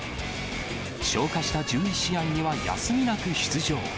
消化した１１試合には休みなく出場。